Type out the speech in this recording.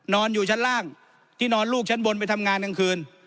นอนอยู่ชั้นล่างที่นอนลูกชั้นบนไปทำงานกลางคืน